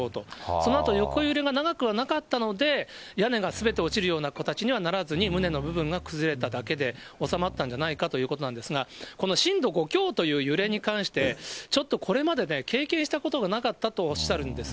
そのあと、横揺れが長くはなかったので、屋根がすべて落ちるような形にはならずに、棟の部分が崩れただけで収まったんじゃないかということなんですが、この震度５強という揺れに関して、ちょっとこれまで経験したことがなかったとおっしゃるんです。